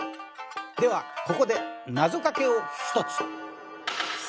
ではここで謎かけを一つ。